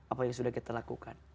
apa yang sudah kita lakukan